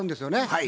はい。